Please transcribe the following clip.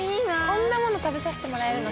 こんなもの食べさせてもらえるの？